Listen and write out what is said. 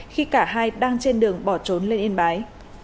khi cả hai đang trên đường bỏ trốn lên yên bái